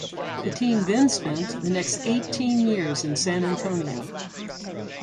The team then spent the next eighteen years in San Antonio.